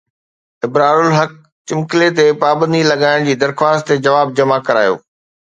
ابرارالحق چمڪلي تي پابندي لڳائڻ جي درخواست تي جواب جمع ڪرايو